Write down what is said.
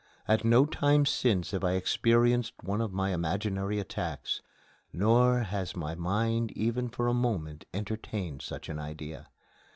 At no time since have I experienced one of my imaginary attacks; nor has my mind even for a moment entertained such an idea.